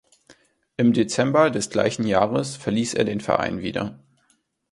Im Dezember des gleichen Jahres verließ er den Verein wieder.